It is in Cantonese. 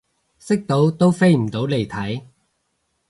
識到都飛唔到嚟睇